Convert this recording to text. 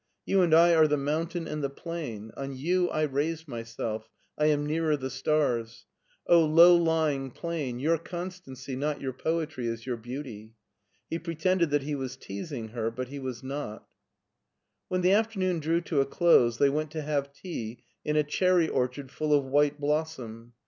You and I are the mountain and the plain ; on you I raise myself, I am nearer the stars. O low lying plain, your constancy, not your poetry, is your beauty." He pretended that he was teasing her, but he was not When the afternoon drew to a dose they went to have tea in a cherry orchard full of white blossom.